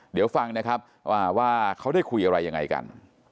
เดี๋ยวฟังนะครับว่าเขาได้คุยอะไรยังไงกัน